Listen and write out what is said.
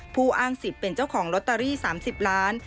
อ้างสิทธิ์เป็นเจ้าของลอตเตอรี่๓๐ล้าน